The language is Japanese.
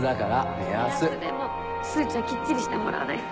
目安でも数値はきっちりしてもらわないと。